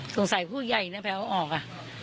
สงสัยผู้ใหญ่เนี่ยแผลว่าออกอ่ะ